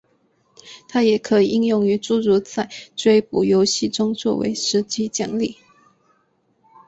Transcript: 它也可以应用于诸如在追捕游戏中做为实际奖励。